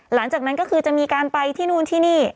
หลังจากนั้นก็คือจะมีการไปที่นู่นที่นี่